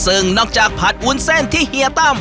ซึ่งนอกจากผัดวุ้นเส้นที่เฮียตั้ม